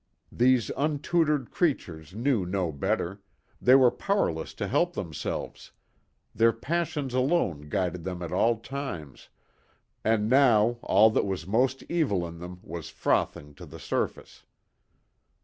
These untutored creatures knew no better, they were powerless to help themselves, their passions alone guided them at all times, and now all that was most evil in them was frothing to the surface.